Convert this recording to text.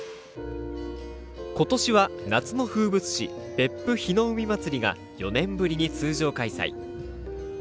今年は、夏の風物詩べっぷ火の海まつりが４年ぶりに通常開催。